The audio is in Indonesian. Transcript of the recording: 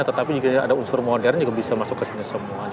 tetapi juga ada unsur modern juga bisa masuk ke sini semuanya